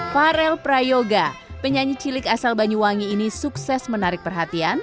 farel prayoga penyanyi cilik asal banyuwangi ini sukses menarik perhatian